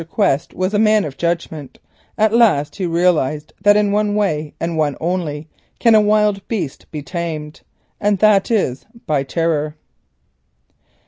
Quest was a man of judgment. At last he had realised that in one way, and one only, can a wild beast be tamed, and that is by terror.